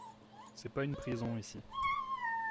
C’est pas une prison, ici